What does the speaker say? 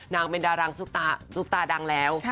นางเป็นดารังซุปตาซุปตาดังแล้ว